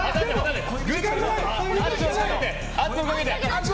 圧をかけて。